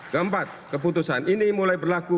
keempat keputusan ini mulai berlaku